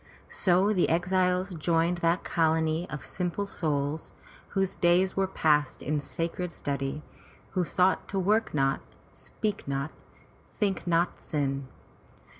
*' So the exiles joined that colony of simple souls, whose days were passed in sacred study, who sought to work not, speak not, think not sin.